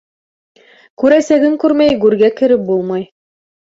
Күрәсәгең күрмәй гүргә кереп булмай.